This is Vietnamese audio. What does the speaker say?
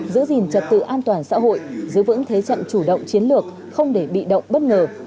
giữ gìn trật tự an toàn xã hội giữ vững thế trận chủ động chiến lược không để bị động bất ngờ